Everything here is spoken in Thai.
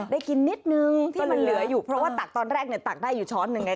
ได้กินนิดนึงที่มันเหลืออยู่เพราะว่าตักตอนแรกเนี่ยตักได้อยู่ช้อนหนึ่งไง